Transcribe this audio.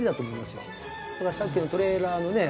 だからさっきのトレーラーのね